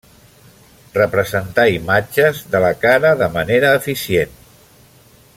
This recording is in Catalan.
Representar imatges de la cara de manera eficient.